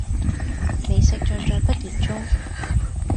美食盡在不言中